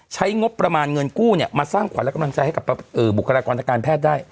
ใช้งบประมาณเงินกู้มาสร้างขวัญและกำลังใจให้กับบุคลากรทางการแพทย์ได้